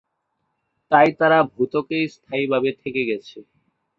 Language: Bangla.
তাই তারা ভূ-ত্বকেই স্থায়ীভাবে থেকে গেছে।